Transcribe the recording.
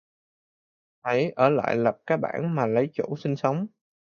Hãy ở lại lập cái bản mà lấy chỗ sinh sống